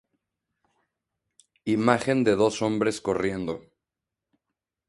Imagen de dos hombres corriendo.